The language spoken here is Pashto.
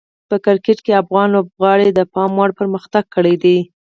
په کرکټ کې افغان لوبغاړي د پام وړ پرمختګ کړی دی.